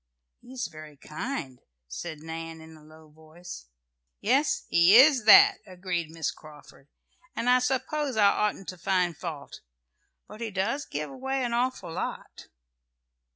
"He is very kind," said Nan, in a low voice. "Yes, he is that," agreed Miss Carford, "and I suppose I oughtn't to find fault. But he does give away an awful lot."